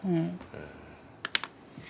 うん。